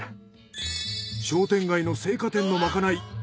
商店街の青果店のまかない。